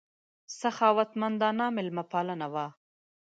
سخاوتمندانه مېلمه پالنه وه.